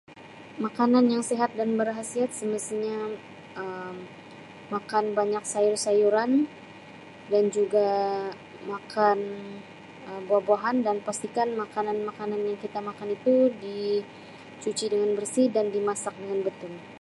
Makanan yang sihat dan berkhasiat semestinya Um makanan yang banyak sayur-sayuran dan juga makan Um buah-buahan dan pastikan makanan-makanan yang kita makan itu dicuci dengan bersih dan dimasak dengan betul.